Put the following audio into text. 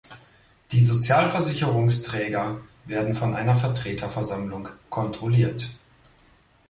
Die Sozialversicherungsträger werden von einer Vertreterversammlung kontrolliert.